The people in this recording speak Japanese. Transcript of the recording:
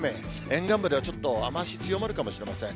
沿岸部ではちょっと雨足、強まるかもしれません。